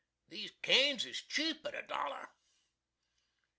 These canes is cheap at a dollar.